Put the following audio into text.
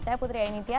saya putri ayin intia